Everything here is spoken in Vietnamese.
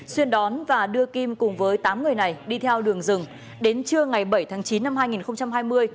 xuyên đón và đưa kim cùng với tám người này đi theo đường rừng đến trưa ngày bảy tháng chín năm hai nghìn hai mươi